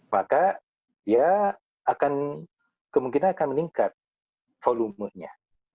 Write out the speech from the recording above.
maka dia akan kemungkinan akan meningkat volumenya